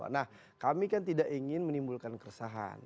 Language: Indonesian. nah kami kan tidak ingin menimbulkan keresahan